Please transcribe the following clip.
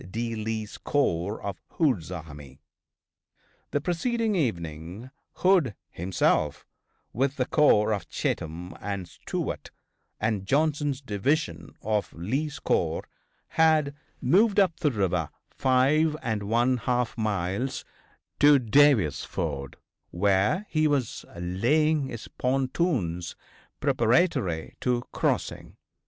D. Lee's corps of Hood's Army. The preceding evening Hood, himself, with the corps of Cheatham and Stewart, and Johnson's division of Lee's corps, had moved up the river five and one half miles to Davis' ford, where he was laying his pontoons preparatory to crossing.